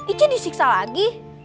ice disiksa lagi